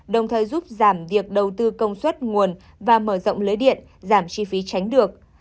đồng thời giúp giảm việc đầu tư công suất nguồn và mở rộng lưới điện giảm chi phí tránh được